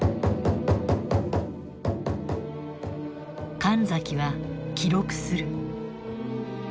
神崎は記録する。